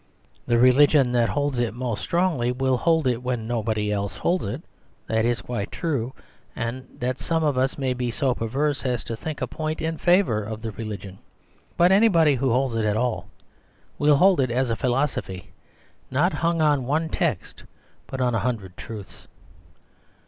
The religion that holds it most strongly will hold it when nobody else holds it; that is quite true, and that some of us may be so perverse as to think a point in 18 The Superstition of Divorce favour of the religion. But anybody who holds it at all will hold it as a philosophy, not hung on one text but on a hundred truths.